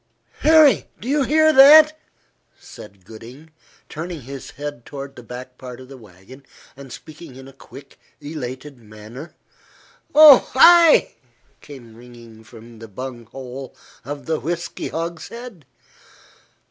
"Harry! Do you hear that?" said Gooding, turning his head toward the back part of the wagon, and speaking in a quick, elated manner. "Oh, ay!" came ringing from the bunghole of the whisky hogshead.